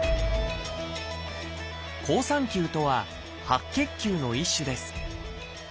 「好酸球」とは白血球の一種です。